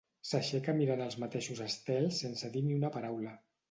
S'aixeca mirant els mateixos estels sense dir ni una paraula.